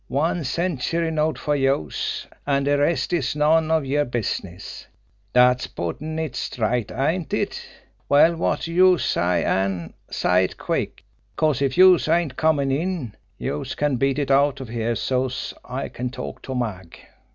One century note fer youse an' de rest is none of yer business! Dat's puttin' it straight, ain't it? Well, wot do youse say, an' say it quick 'cause if youse ain't comin' in, youse can beat it out of here so's I can talk to Mag."